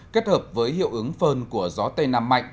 kết hợp với hiệu ứng phơn của gió tây nam mạnh